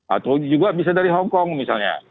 atau juga bisa dari hongkong misalnya